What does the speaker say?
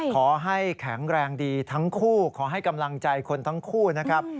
ขอให้แข็งแรงดีทั้งคู่ขอให้กำลังใจคนทั้งคู่นะครับ